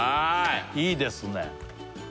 いいですね